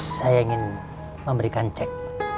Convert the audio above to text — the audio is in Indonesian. saya ingin memberikan cek